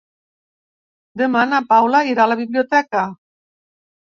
Demà na Paula irà a la biblioteca.